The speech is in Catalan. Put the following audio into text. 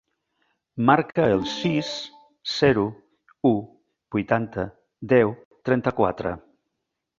Marca el sis, zero, u, vuitanta, deu, trenta-quatre.